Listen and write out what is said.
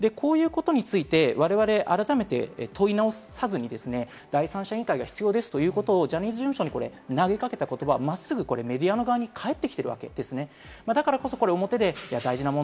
こういうことについて、我々が改めて問い直さずに第三者委員会が必要ですということをジャニーズ事務所に投げかけた言葉を真っすぐメディアの側にかえってきてるわけです。